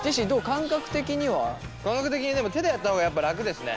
感覚的にでも手でやった方がやっぱ楽ですね。